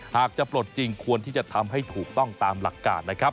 หากจะปลดจริงควรที่จะทำให้ถูกต้องตามหลักการนะครับ